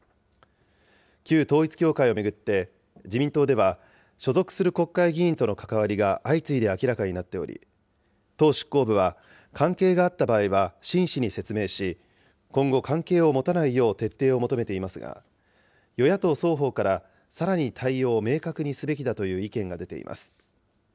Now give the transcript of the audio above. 旧統一教会を巡って、自民党では所属する国会議員との関わりが相次いで明らかになっており、党執行部は、関係があった場合は真摯に説明し、今後、関係を持たないよう徹底を求めていますが、与野党双方からさらに対応を明確にすべきだという意見が出ています。